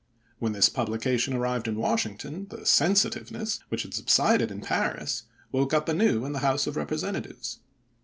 When this publication arrived in Washington the " sensitiveness," which had subsided in Paris, woke up anew in the House of Eepresentatives.